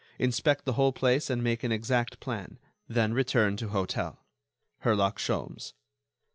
Inspect the whole place and make an exact plan. Then return to hotel.—Herlock Sholmes."